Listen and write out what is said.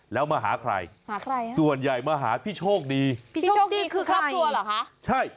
แล้วมาหาใครส่วนใหญ่มาหาพี่โชคดี